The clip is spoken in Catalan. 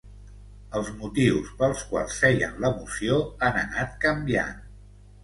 Els motius pels quals feien la moció han anat canviant.